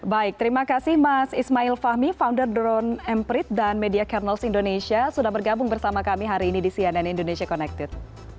baik terima kasih mas ismail fahmi founder drone emprit dan media kernels indonesia sudah bergabung bersama kami hari ini di cnn indonesia connected